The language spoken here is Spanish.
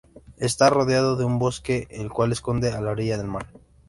Está rodeado de un bosque el cual esconde a la orilla del mar.